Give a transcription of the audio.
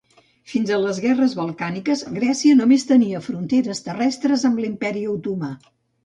Fins a les guerres balcàniques, Grècia només tenia fronteres terrestres amb l'Imperi otomà.